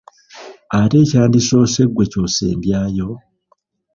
Ate ekyandisoose gwe ky'osembyayo?